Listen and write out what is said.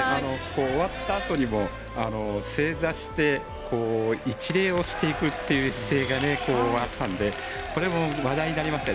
終わったあとにも正座して一礼をしていくという姿勢があったのでこれも話題になりましたね。